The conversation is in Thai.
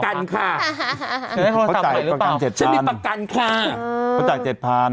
ฉันมีประกันค่ะเขาจ่ายประกันเจ็ดพันฉันมีประกันค่ะเขาจ่ายเจ็ดพัน